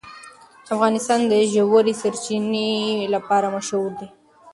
افغانستان د ژورې سرچینې لپاره مشهور دی.